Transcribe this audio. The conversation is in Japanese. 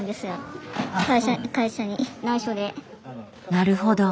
なるほど。